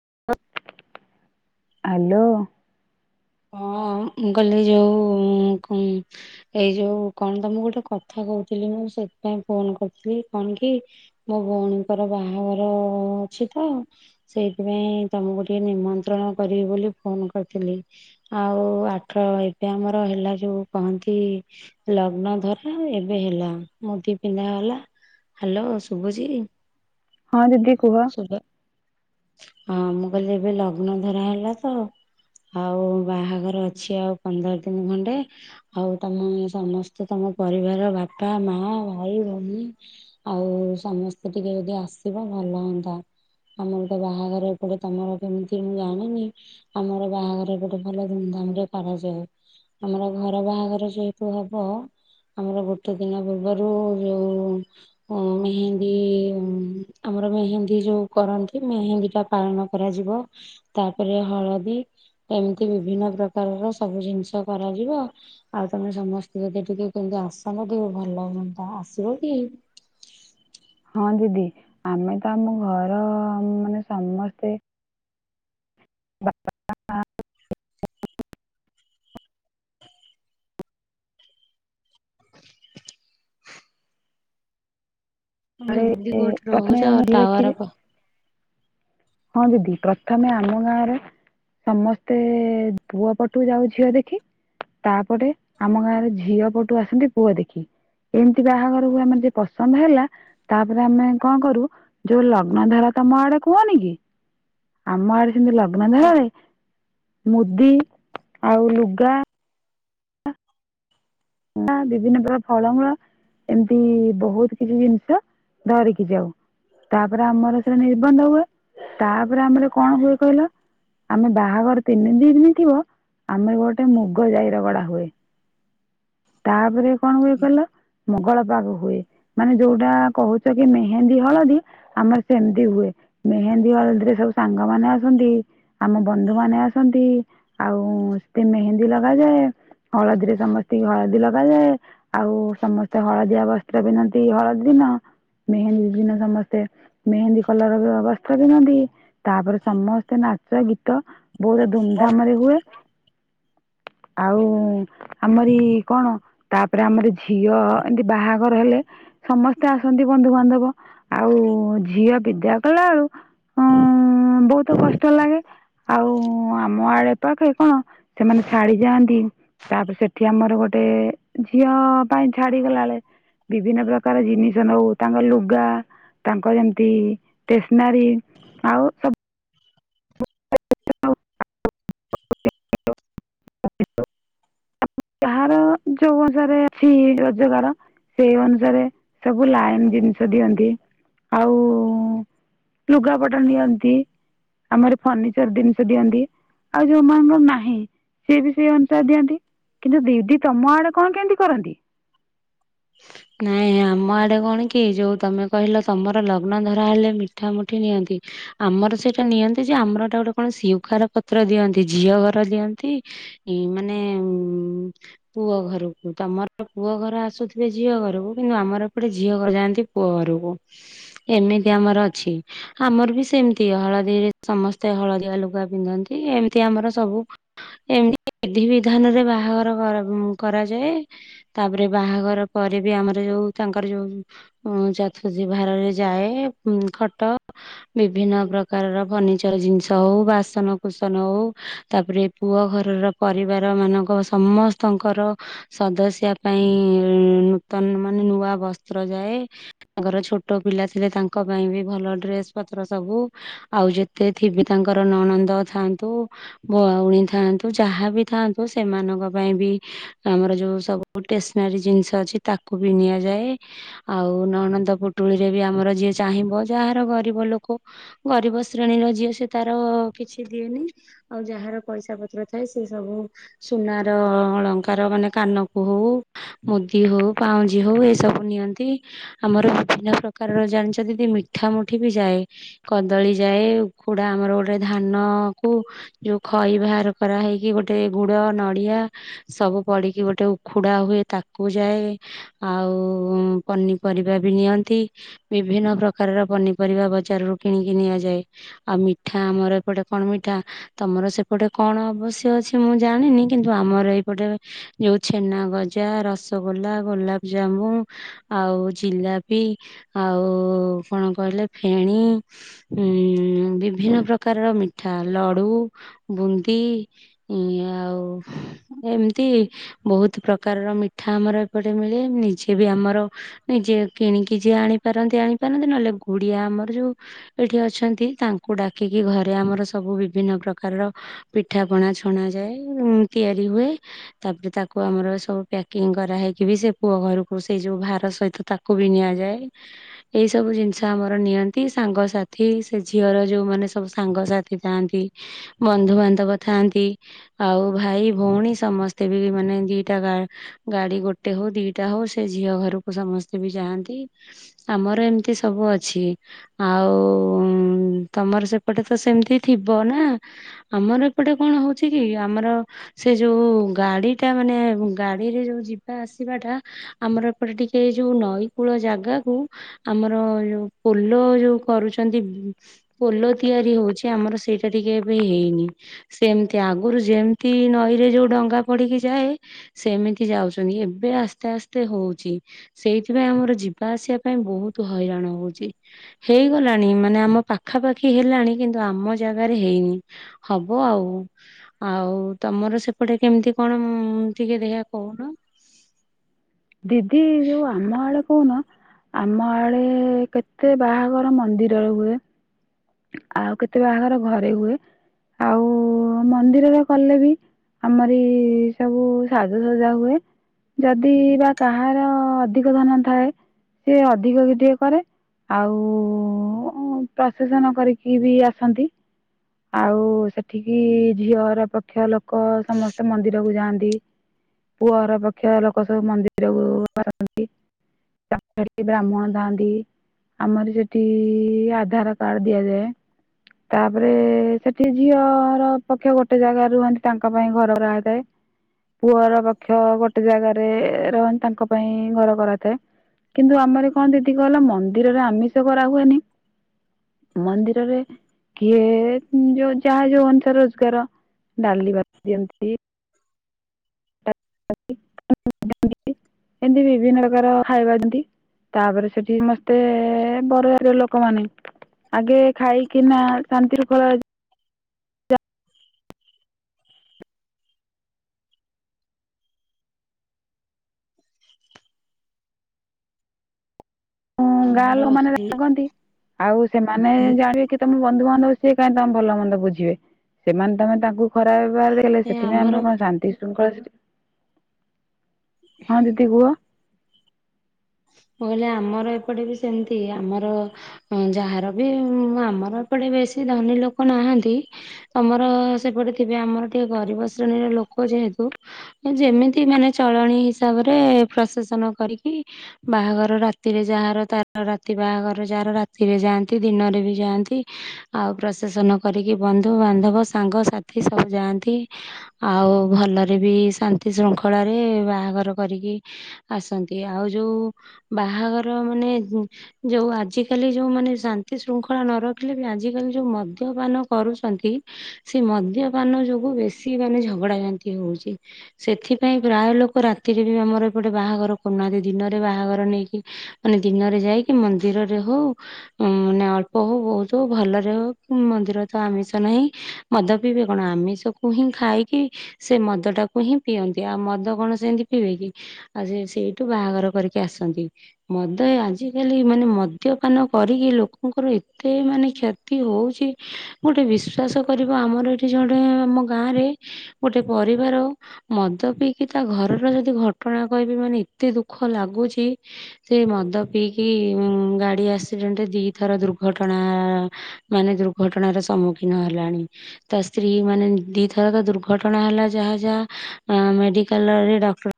[inaudible] Hello. ହଁ ମୁଁ କହିଲି ଯୋଉ ଏଇ ଯୋଉ କଣ ତମକୁ ଗୋଟେ କଥା କହୁଥିଲି ମୁଁ ସେଥିପାଇଁ ଫୋନ କରିଥିଲି କଣ କି ମୋ ଭଉଣୀଙ୍କର ବାହାଘର ଅଛି ତ ସେଇଥିପାଇଁ ତମକୁ ଟିକେ ନିମନ୍ତ୍ରଣ କରିବି ବୋଲି ଫୋନ କରିଥିଲି। ଆଉ ଆଠ ଏବେ ଆମର ହେଲା ଯୋଉ କହନ୍ତି ଲଗ୍ନ ଧରା ଏବେ ହେଲା ମୁଦି ପିନ୍ଧାଗଲା। ହ୍ୟାଲୋ ଶୁଭୁଛି? ହଁ ଦିଦି କୁହ। ଶୁଭ ହଁ ମୁଁ କହିଲି ଏବେ ଲଗ୍ନ ଧରା ହେଲା ତ ଆଉ ବାହାଘର ଅଛି ଆଉ ପନ୍ଦର ଦିନି ଖଣ୍ଡେ ଆଉ ତମ ସମସ୍ତେ ତମ ପରିବାର ବାପା, ମା, ଭାଇ, ଭଉଣୀ ଆଉ ସମସ୍ତେ ଟିକେ ଯଦି ଆସିବ ଭଲ ହୁଅନ୍ତା ଆମର। ବାହାଘର ଗୋଟେ ତମର କେମିତି ମୁଁ ଜାଣିନି ଆମର ବାହାଘର ଗୋଟେ ଭଲ ଧୁମଧାମ ରେ କରାଯାଏ ଆମର ଘର ବାହାଘର ଯେହେତୁ ହବ ଆମର ଗୋଟେ ଦିନ ପୂର୍ବରୁ ଯୋଉ ମେହେନ୍ଦୀ ଆମର ମେହେନ୍ଦୀ ଯୋଉ କରନ୍ତି। ମେହେନ୍ଦୀ ଟା ପାଳନ କରାଯିବ। ତାପରେ ହଳଦୀ ଏମିତି ବିଭିନ୍ନ ପ୍ରକାରର ସବୁ ଜିନିଷ କରାଯିବ। ଆଉ ତମେ ସମସ୍ତେ ଯଦି ଟିକେ କେମତି ଆସନ୍ତ ଟିକେ ଭଲ ହୁଅନ୍ତା ଆସିବ କି? ହଁ ଦିଦି ଆମେ ତ ଆମ ଘର ମାନେ ସମସ୍ତେ [inaudible] ଆଡେ ଦିଦି କୋଉଠି ପ୍ରଥମେ ରହୁଛ ଆମେ ଦେଖିଛେ ଟାୱାର ହଁ ଦିଦି ପ୍ରଥମେ ଆମ ଗାଁରେ ସମସ୍ତେ ପୁଅ ପଟୁ ଯାଉ ଝିଅ ଦେଖି ତାପରେ, ଆମ ଗାଁରେ ଝିଅ ପଟୁ ଆସନ୍ତି ପୁଅ ଦେଖି। ଏମିତି ବାହାଘରକୁ ଆମର ଯେ ପସନ୍ଦ ହେଲା ତାପରେ ଆମେ କଣ କରୁ ଯୋଉ ଲଗ୍ନ ଧାରା ତମ ଆଡେ କୁହନି କି? ଆମ ଆଡେ ସେମିତି ଲଗ୍ନ ଧରା ମୁଦି ଆଉ ଲୁଗା ବିଭିନ୍ନ ପ୍ରକାର ଫଳମୂଳ ଏମିତି ବହୁତ କିଛି ଜିନିଷ ଧରିକି ଯାଉ। ତାପରେ, ଆମର ସେଟା ନିର୍ବନ୍ଧ ହୁଏ ତାପରେ, ଆମର କଣ ହୁଏ କହିଲ ଆମେ ବାହାଘର ତିନ ଦିନ ଥିବ ଆମେ ଗୋଟେ ମୁଗ ଜାଇ ରଗଡା ହୁଏ। ତା। [inaudible] କଣ ହୁଏ ଗଲ ମଙ୍ଗଳ। [inaudible] ହୁଏ ମାନେ ଯୋଉଟା କହୁଛ କି ମେହେନ୍ଦୀ ହଳଦୀ ଆମର ସେମିତି ହୁଏ ମେହେନ୍ଦୀ ହଳଦୀରେ ସବୁ ସାଙ୍ଗ ମାନେ ଆସନ୍ତି ଆମ ବନ୍ଧୁ ମାନେ ଆସନ୍ତି ଆଉ ସେଠି ମେହେନ୍ଦୀ ଲଗାଯାଏ। ହଳଦୀରେ ସମସ୍ତେ ସେତି ହଳଦୀ ଲଗାଯାଏ। ଆଉ ସମସ୍ତେ ହଳଦିଆ ବସ୍ତ୍ର ପିନ୍ଧନ୍ତି ହଳଦୀ ଦିନ ମେହେନ୍ଦୀ ଦିନ ସମସ୍ତେ ମେହେନ୍ଦୀ କଲର ବସ୍ତ୍ର ପିନ୍ଧନ୍ତି ତାପରେ ସମସ୍ତେ ନାଚ ଗୀତ ବହୁତ ଧୁମଧାମ ରେ ହୁଏ। ଆଉ ଆମରି କଣ ତାପରେ ଆମର ଝିଅ ଏମିତି ବାହାଘର ହେଲେ ସମସ୍ତେ ଆସନ୍ତି। ବନ୍ଧୁବାନ୍ଧବ ଆଉ, ଝିଅ ବିଦା କଲା ବେଳୁ ହଁ ବହୁତ କଷ୍ଟ ଲାଗେ। ଆଉ ଆମ ଆଡେ ପାଖେ କଣ ସେମାନେ ଛାଡିଯାଆନ୍ତି ତାପରେ ସେ ଏଠି ଆମର ଗୋଟେ ଝିଅ ପାଇଁ ଛାଡିଗଲାବେଳେ ବିଭିନ୍ନ ପ୍ରକାର ଜିନିଷ ନଉ ତାଙ୍କ ଲୁଗା ତାଙ୍କ ଯେମିତି ଷ୍ଟେସନାରୀ ଆଉ ସବୁ [inaudible] ଯାହାର ଯୋଉ ଅନୁସାରେ ଅଛି ରୋଜଗାର ସେଇ ଅନୁସାରେ ସବୁ ଲାଇନ ଜିନିଷ ଦିଅନ୍ତି। ଆଉ ଲୁଗାପଟା ଦିଅନ୍ତି। ଆମର ଫର୍ଣ୍ଣିିଚର ଜିନିଷ ଦିଅନ୍ତି। ଆଉ ଯୋଉ ମାନଙ୍କର ନାହିଁ ସିଏ ବି ସେଇ ଅନୁସାରେ ଦିଅନ୍ତି କିନ୍ତୁ ଦିଦି ତମ ଆଡେ କଣ କେମିତି କରନ୍ତି? ନାଇଁ ଆମ ଆଡେ କଣ କି ଯୋଉ ତମେ କହିଲ ତମର ଲଗ୍ନ ଧରା ହେଲେ ମିଠା ମିଠି ନିଅନ୍ତି ଆମର ସେଇଟା ନିଅନ୍ତି ଯେ ଆମର ଗୋଟେ କଣ ସ୍ୱୀକାର ପତ୍ର ଦିଅନ୍ତି ଝିଅ ଘର ଦିଅନ୍ତି। ମାନେ ପୁଅ ଘରକୁ ତମର ପୁଅ ଘର ଆସୁ ଝିଅ ଘରକୁ କିନ୍ତୁ ଆମର ଏପଟେ ଝିଅ ଯାଆନ୍ତି ପୁଅ ଘରକୁ। ଏମିତି ଆମର ଅଛି ଆମର ବି ସେମତି ହଳଦୀରେ ସମସ୍ତେ ହଳଦୀଆ ଲୁଗା ପିନ୍ଧନ୍ତି ଏମିତି ଆମର ସବୁ ଏମତି ବିଧି ବିଧାନରେ ବାହାଘର କରାଯାଏ। ତାପରେ ବାହାଘର ପରେ ବି ଆମର ଯୋଉ ତାଙ୍କର ଯୋଉ ଚତୁର୍ଥୀ ଭାରରେ ଯାଏ ଖଟ ବିଭିନ୍ନ ପ୍ରକାରର ଫର୍ଣ୍ଣିିଚର ଜିନିଷ ହଉ, ବାସନ କୁସନ ହଉ, ତାପରେ ପୁଅ ଘରର ପରିବାର ମାନଙ୍କ ସମସ୍ତଙ୍କର ସଦସ୍ୟା ପାଇଁ ନୂତନ ମାନେ ନୂଆ ବସ୍ତ୍ର ଯାଏ। ତାଙ୍କର ଛୋଟ ପିଲା ଥିଲେ ତାଙ୍କ ପାଇଁ ବି ଭଲ ଡ୍ରେସ ପତ୍ର ସବୁ ଆଉ ଯେତେ ଥିବ ତାଙ୍କର ନଣନ୍ଦ ଥାଆନ୍ତୁ ଭଉଣୀ ଥାଆନ୍ତୁ ଯାହା ବି ଥାଆନ୍ତୁ ସେମାନଙ୍କ ପାଇଁ ବି ଆମର ଯଉ ସବୁ ଷ୍ଟେସନାରୀ ଜିନି ମାଛ ଅଛି ତାକୁ ବି ନିଆଯାଏ। ଆଉ ନନନ୍ଦ ପୁଟୁଳି ରେ ବି ଆମର ଯିଏ ଚାହିଁବ ଯାହାର ଗରିବ ଲୋକ ଗରିବ ଶ୍ରେଣୀର ଝିଅ ସେ ତାର କିଛି ଦିଏନି। ଆଉ ଯାହାର ପଇସା ପତ୍ର ଥାଏ ସେ ସବୁ ସୁନାର ଅଳଙ୍କାର ମାନେ କାନକୁ ହଉ ମୁଦି ହଉ ପାଉଁଜି ହଉ ଏସବୁ ନିଅନ୍ତି। ଆମର ବିଭିନ୍ନ ପ୍ରକାରର ଜାଣିଛନ୍ତି ମିଠା ମିଠି ବି ଯାଏ କଦଳୀ ଯାଏ। ଉଖୁଡ଼ା ଆମର ଗୋଟେ ଧାନ କୁ ଯୋଉ ଖଇ ବାହାର କରାହେଇକି ଗୋଟେ ଗୁଡ ନଡିଆ ସବୁ ପଡିକି ଗୋଟେ ଉଖୁଡ଼ା ହୁଏ। ତାକୁ କୁ ଯାଏ ଆଉ ପନିପରିବା ବି ନିଅନ୍ତି ବିଭିନ୍ନ ପ୍ରକାରର ପନିପରିବା ବଜାରରୁ କିଣିକି ନିଆଯାଏ। ଆଉ ମିଠା ଆମର ଏପଟେ କଣ ମିଠା ତମର ସେପଟେ କଣ ଅବଶ୍ୟ ଅଛି ମୁଁ ଜାଣିନି। କିନ୍ତୁ ଆମର ଏଇପଟେ ଯୋଉ ଛେନା ଗଜା ରସଗୋଲା ଗୋଲାପଜାମୁନ ଆଉ ଜିଲାପି ଆଉ କଣ କହିଲେ ଫେଣି ବିଭିନ୍ନ ପ୍ରକାରର ମିଠା ଲଡ଼ୁ ବୁନ୍ଦି ଆଉ ଏମିତି ବହୁତ ପ୍ରକାରର ମିଠା ପିଠା ଆମର ଏପଟେ ମିଳେ ନିଜେ ବି ଆମର ନିଜେ କିଣିକି ଯିଏ ଆଣିପାରନ୍ତି ଆଣିପାରନ୍ତି ନହେଲେ ଗୁଡିଆ ଆମର ଯୋଉ ଏଠି ଅଛନ୍ତି। ତାଙ୍କୁ ଡାକିକି ଘରେ ଆମର ସବୁ ବିଭିନ୍ନ ପ୍ରକାରର ପିଠା ପଣା ଛଣା ଯାଏ। ତିଆରି ହୁଏ ତାପରେ ତାକୁ ଆମର ସବୁ କରାହଇକି ବି ସେ ପୁଅ ଘରକୁ ସେଇ ଯୋଉ ଭାର ସହିତ ତାକୁ ବି ନିଆଯାଏ। ଏଇ ସବୁ ଜିନିଷ ଆମର ନିଅନ୍ତି ସାଙ୍ଗସାଥି ସେ ଝିଅର ଯୋଉ ମାନେ ସବୁ ସାଙ୍ଗସାଥି ଥାନ୍ତି ବନ୍ଧୁବାନ୍ଧବ ଥାନ୍ତି ଆଉ ଭାଇ ଭଉଣୀ ସମସ୍ତେ ବି ମାନେ ଦିଟା ଗାଡି ଗୋଟେ ହଉ ଦିଟା ହଉ ସେ ଝିଅ ଘରକୁ ସମସ୍ତେ ବି ଯାଆନ୍ତି। ଆମର ଏମିତି ସବୁ ଅଛି ଆଉ ତମର ସେପଟେ ତ ସେମିତି ଥିବ ନା ଆମର ଏପଟେ କଣ ହଉଛି କି ଆମର ସେ ଯୋଉ ଗାଡିଟା ମାନେ ଗାଡିରେ ଯୋଉ ଯିବା ଆସିବା ଟା ଆମର ଏପଟେ ଟିକେ ଯୋଉ ନଈ କୂଳ ଜାଗାକୁ ଆମର ଯୋଉ ପୋଲ ଯୋଉ କରୁଛନ୍ତି। ପୋଲ ତିଆରି ହଉଛି ଆମର ସେଇଟା ଟିକେ ଏବେ ହେଇନି ସେମିତି ଆଗରୁ ଯେମିତି ନଈରେ ଯୋଉ ଡଙ୍ଗା ପଡିକି ଯାଏ ସେମିତି ଯାଉଛନ୍ତି। ଏବେ ଆସ୍ତେ ଆସ୍ତେ ହଉଛି ସେଇଥିପାଇଁ ଆମର ଯିବା ଆସିବା ପାଇଁ ବହୁତ ହଇରାଣ ହଉଛି। ହେଇଗଲାଣି ମାନେ ଆମ ପାଖାପାଖି ହେଲାଣି କିନ୍ତୁ ଆମ ଜାଗାରେ ହେଇନି ହବ ଆଉ। ଆଉ ତମର ସେପଟେ କେମିତି କଣ? ଟିକେ ଦେୟ କହୁନ। [inaudible] ଦିଦି ଯୋଉ ଆମ କହୁନ ଆମ ଆଡେ କେତେ ବାହାଘର ମନ୍ଦିରରେ ହୁଏ। ଆଉ କେତେ ବାହାଘର ଘରେ ହୁଏ। ଆଉ ମନ୍ଦିରରେ କଲେ ବି ଆମରି ସବୁ ସାଜସଜା ହୁଏ। ଯଦି ବା କାହାର ଅଧିକ ଧନ ଥାଏ ସେ ଅଧିକ କି ଟିକେ କରେ ଆଉ କରିକି ବି ଆସନ୍ତି ଆଉ ସେଠିକି ଝିଅର ପକ୍ଷ ଲୋକ ଲୋକ ସମସ୍ତେ ମନ୍ଦିରକୁ ଯାଆନ୍ତି। ପୁଅର ପକ୍ଷ ଲୋକ ସବୁ ମନ୍ଦିରକୁ ଆସନ୍ତି। ତା ବ୍ରାହ୍ମଣ ଥାଆନ୍ତି ଆମର ସେଠି ଆଧାର ପାଳିଦିଆଯାଏ। ତାପରେ ସେଠି ଝିଅର ପକ୍ଷ ଗୋଟେ ଜାଗାରେ ରୁହନ୍ତି। ତାଙ୍କ ପାଇଁ ଘର କରାଥାଏ ପୁଅର ପକ୍ଷ ଗୋଟେ ଜାଗାରେ ରହନ୍ତି। ତାଙ୍କ ପାଇଁ ଘର କରାଥାଏ କିନ୍ତୁ ଆମର କଣ ଦିଦି କହିଲ ମନ୍ଦିରରେ ଆମିଷ କରାହୁଏନି ମନ୍ଦିରରେ କିଏ ଯୋଉ ଯାହା ଯୋଉ ଅଷାରେ ରୋଜଗାର ଡାଲି ବା ଦିଅନ୍ତି। ଏମିତି ବିଭିନ୍ନ ପ୍ରକାର ଖାଇବାରନ୍ତି। ତାପରେ ସେଠି ସମସ୍ତେ ବରଦ ଲୋକମାନେ ଆଗେ ଖାଇକିନା ଶାନ୍ତିରୁ ଖଳ ଗାଁ ଆମର ଲୋକ ମାନେ ରାଗନ୍ତି। ଆଉ ସେମାନେ ଜାଣିବେ କି ତମ ବନ୍ଧୁବାନ୍ଧବ ସିଏ କାହିଁ ତମ ଭଲ ମନ୍ଦ ବୁଝିବେ ସେମାନେ ତମେ ତାଙ୍କୁ ଖରାପ ଦେଖଲେ ସେଥିପାଇଁ ଆମର କଣ ଶାନ୍ତି ଶୃଙ୍ଖଳ ସେଠି ହଁ ଦିଦି କୁହ? କହ ଆମର ଏପଟେ ବି ସେମିତି ଆମର ଯାହାର ବି ଆମର ଏପଟେ ବେଶୀ ଧନୀ ଲୋକ ନାହାନ୍ତି। ତମର ସେପଟେ ଥିବେ ଆମର ଟିକେ ଗରିବ ଶ୍ରେଣୀର ଲୋକ ଯେହେତୁ ଯେମିତି ମାନେ ଚଳଣି ହିସାବରେ ପ୍ରସେ ସନ କରିକି ବାହାଘର ରାତିରେ ଯାହାର ତାର ରାତି ବାହାଘର ଯାହାର ରାତିରେ ଯାଆନ୍ତି ଦିନରେ ବି ଯାଆନ୍ତି। ଆଉ ପ୍ରଶାସନ କରିକି ବନ୍ଧୁବାନ୍ଧବ ସାଙ୍ଗସାଥି ସବୁ ଯାଆନ୍ତି। ଆଉ ଭଲରେ ବି ଶାନ୍ତି ଶୃଙ୍ଖଳାରେ ବାହାଘର କରିକି ଆସନ୍ତି। ଆଉ ଯେଉଁ ବାହାଘର ମାନେ ଯୋଉ ଆଜିକାଲି ଯୋଉ ମାନେ ଶାନ୍ତି ଶୃଙ୍ଖଳା ନ ରଖିଲେ ବି ଆଜିକାଲି ଯୋଉ ମଦ୍ୟପାନ କରୁଛନ୍ତି। ସେ ମଦ୍ୟପାନ ଯୋଗୁ ବେଶି ମାନେ ଝଗଡା ଯାନ୍ତି ହଉଛି ସେଥିପାଇଁ ପ୍ରାୟ ଲୋକ ରାତିରେ ବି ଆମର ଏପଟେ ବାହାଘର କରୁନାହାନ୍ତି। ଦିନରେ ବାହାଘର ନେଇକି ମାନେ ଦିନରେ ଯାଇକି ମନ୍ଦିରରେ ହଉ ମାନେ ଅଳ୍ପ ହଉ ବହୁତ ହଉ ଭଲରେ ହଉ ମନ୍ଦିରରେ ତ ଆମିଷ ନାହିଁ ମଦ ପିଇବେ କଣ ଆମିଷକୁ ହିଁ ଖାଇକି ସେ ମଦ ଟାକୁ ହିଁ ପିଅନ୍ତି ଆଉ ମଦ କଣ ସେମିତି ପିଇବେ କି ଆଉ ସେ ସେଇଠୁ ବାହାଘର କରିକି ଆସନ୍ତି। ମଦ ଆଜିକାଲି ମାନେ ମଦ୍ୟପାନ କରିକି ଲୋକଙ୍କର ଏତେ ମାନେ କ୍ଷତି ହଉଛି। ଗୋଟେ ବିଶ୍ଵାସ କରିବ ଆମର ଏଠି ଜଣେ ଆମ ଗାଁ ରେ ଗୋଟେ ପରିବାର ମଦ ପିଇକି ତା ଘରର ଯଦି ଘଟଣା କହିବି ମାନେ ଏତେ ଦୁଃଖ ଦୁଃଖ ଲାଗୁଛି ସେ ମଦ ପିଇକି ଗାଡି ଆକ୍ସିଡେଣ୍ଟରେ ଦିଥର ଦୁର୍ଘଟଣା ମାନେ ଦୁର୍ଘଟଣାର ସମ୍ମୁଖୀନ ହେଲାଣି। ତା ସ୍ତ୍ରୀ ମାନେ ଦିଥର ତ ଦୁର୍ଘଟଣା ହେଲା ଯାହା ଯାହା ମେଡିକାଲରେ ଡକ୍ଟର